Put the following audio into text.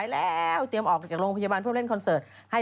แต่ว่ามีข่าวออกมาแล้วแน่นอนค่ะ